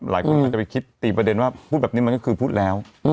หลายคนอาจจะไปคิดตีประเด็นว่าพูดแบบนี้มันก็คือพูดแล้ว